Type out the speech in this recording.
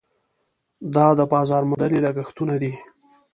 دا د بازار موندنې لګښټونه دي.